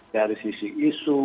dari sisi isu